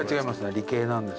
理系なんです。